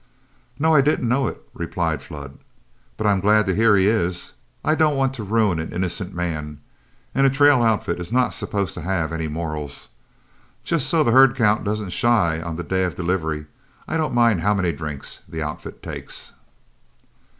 "No, I didn't know it," replied Flood, "but I'm glad to hear he is. I don't want to ruin an innocent man, and a trail outfit is not supposed to have any morals. Just so the herd don't count out shy on the day of delivery, I don't mind how many drinks the outfit takes."